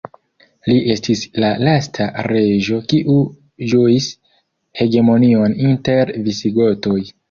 Li estis la lasta reĝo kiu ĝuis hegemonion inter visigotoj.